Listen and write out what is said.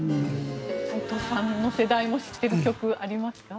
斎藤さんの世代も知っている曲はありますか？